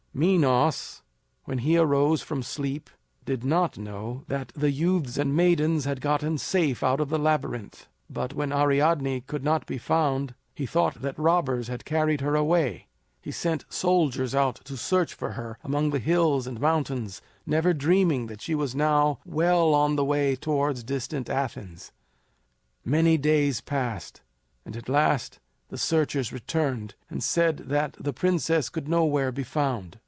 Minos, when he arose from sleep, did not know that the youths and maidens had gotten safe out of the Labyrinth. But when Ariadne could not be found, he thought that robbers had carried her away. He sent soldiers out to search for her among the hills and mountains, never dreaming that she was now well on the way towards distant Athens. Many days passed, and at last the searchers returned and said that the princess could nowhere be found.